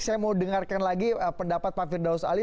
saya mau dengarkan lagi pendapat pak firdaus ali